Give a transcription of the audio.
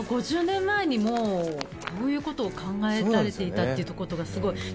５０年前に、もうこういうことを考えられていたことがすごい。